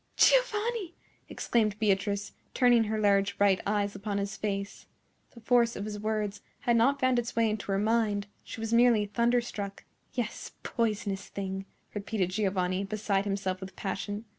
"Giovanni!" exclaimed Beatrice, turning her large bright eyes upon his face. The force of his words had not found its way into her mind; she was merely thunderstruck. "Yes, poisonous thing!" repeated Giovanni, beside himself with passion.